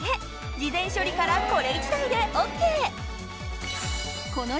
事前処理からこれ１台でＯＫ！